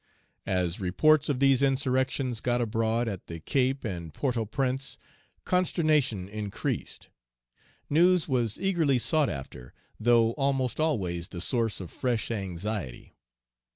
As reports of these insurrections got abroad at the Cape and Port au Prince, consternation increased. News was eagerly sought after, though almost always the source of fresh anxiety.